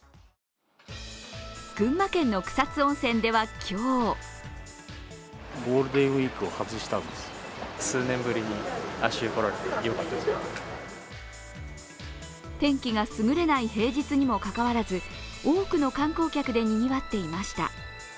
群馬県の草津温泉では、今日天気がすぐれない平日にもかかわらず多くの観光客でにぎわっていました。